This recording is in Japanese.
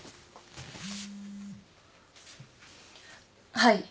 はい。